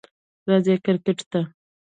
راځئ کریکټ ته!